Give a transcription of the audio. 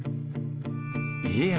家康